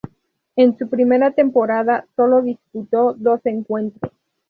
En su primera temporada sólo disputó dos encuentros.